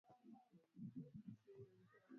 kwanza hiyo ndio hatua kubwa zaidi